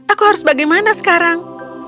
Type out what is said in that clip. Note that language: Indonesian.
aku harus bagaimana sekarang